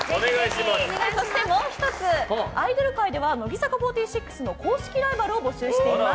そしてもう１つ、アイドル界では乃木坂４６の公式ライバルを募集しています。